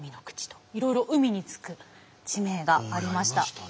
口といろいろ海に付く地名がありました。